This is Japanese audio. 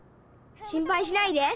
心ぱいしないで。